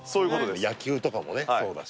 野球とかもねそうだし。